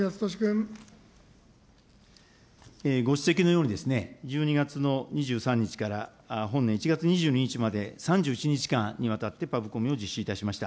ご指摘のように、１２月の２３日から本年１月２２日まで、３１日間にわたってパブコメを実施いたしました。